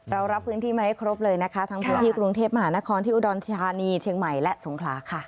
รับพื้นที่มาให้ครบเลยนะคะทั้งพื้นที่กรุงเทพมหานครที่อุดรธานีเชียงใหม่และสงขลาค่ะ